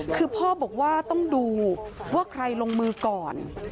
คือพ่อบอกว่าต้องดูว่าใครลงมือก่อน